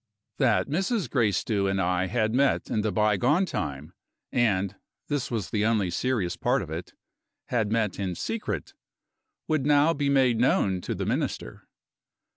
That Mrs. Gracedieu and I had met in the bygone time, and this was the only serious part of it had met in secret, would now be made known to the Minister.